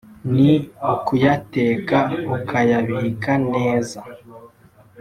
ni ukuyateka, ukayabika neza